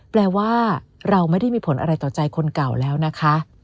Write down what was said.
แปลว่าเราไม่ได้มีผลอะไรต่อใจคนเก่าแล้วนะคะ